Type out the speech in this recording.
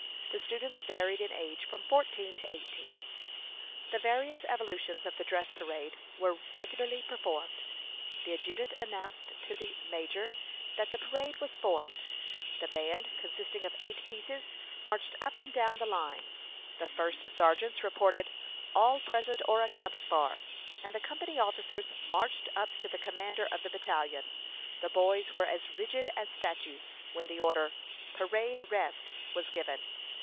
The students varied in age from fourteen to eighteen. The various evolutions of the dress parade were regularly performed. The adjutant announced to the major that the parade was formed; the band, consisting of eight pieces, marched up and down the line; the first sergeants reported "all present or accounted for," and the company officers marched up to the commander of the battalion. The boys were as rigid as statues when the order, "Parade rest," was given.